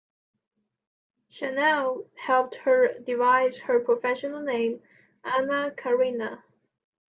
Chanel helped her devise her professional name, Anna Karina.